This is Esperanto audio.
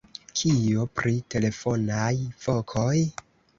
Kio pri telefonaj vokoj?